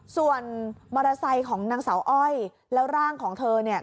ส่วนมอเตอร์ไซค์ของนางสาวอ้อยแล้วร่างของเธอเนี่ย